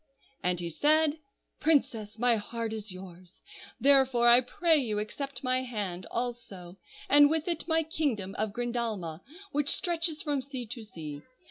"And he said, 'Princess, my heart is yours! Therefore, I pray you, accept my hand, also, and with it my kingdom of Grendalma, which stretches from sea to sea.